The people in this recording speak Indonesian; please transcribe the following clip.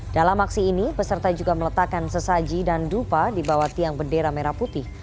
dalam aksi ini peserta juga meletakkan sesaji dan dupa di bawah tiang bendera merah putih